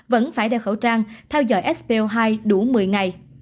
vẫn phải đeo khẩu trang theo dõi sp hai đủ một mươi ngày